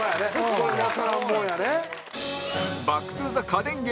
これわからんもんやね。